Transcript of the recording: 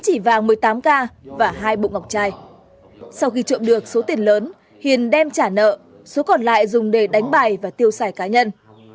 hình đem trả nợ số còn lại dùng để đánh bày và tiêu xài cá nhân